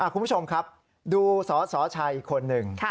คุณผู้ชมครับดูสสชคนหนึ่ง